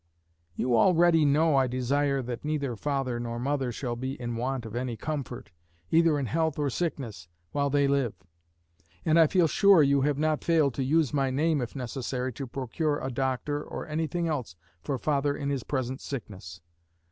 You already know I desire that neither father nor mother shall be in want of any comfort, either in health or sickness, while they live; and I feel sure you have not failed to use my name, if necessary, to procure a doctor or anything else for father in his present sickness.